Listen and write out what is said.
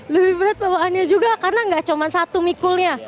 lebih berat bawaannya juga karena nggak cuma satu mikulnya